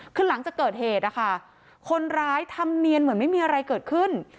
คือหลังจากเกิดเหตุนะคะคนร้ายทำเนียนเหมือนไม่มีอะไรเกิดขึ้น